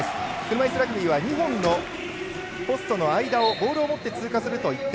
車いすラグビーは２本のポストの間をボールを持って通過すると１点。